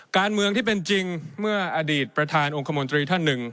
การเมืองที่เป็นจริงเมื่ออดีตประธานองค์คมนตรีท่านหนึ่ง